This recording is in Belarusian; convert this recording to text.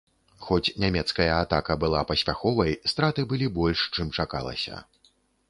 Хоць нямецкая атака была паспяховай, страты былі больш, чым чакалася.